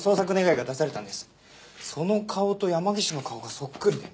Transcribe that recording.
その顔と山岸の顔がそっくりで。